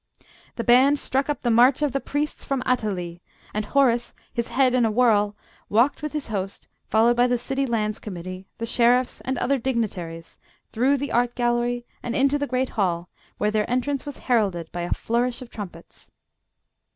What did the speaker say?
The band struck up the March of the Priests from Athalie, and Horace, his head in a whirl, walked with his host, followed by the City Lands Committee, the Sheriffs, and other dignitaries, through the Art Gallery and into the Great Hall, where their entrance was heralded by a flourish of trumpets.